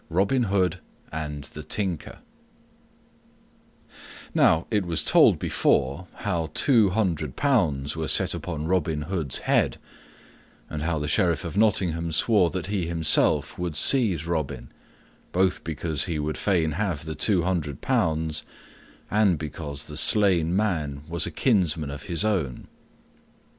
Robin Hood and the Tinker Now it was told before how two hundred pounds were set upon Robin Hood's head, and how the Sheriff of Nottingham swore that he himself would seize Robin, both because he would fain have the two hundred pounds and because the slain man was a kinsman of his own.